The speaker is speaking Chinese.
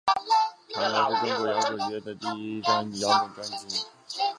唐朝是中国摇滚乐队唐朝乐队的第一张国语摇滚专辑。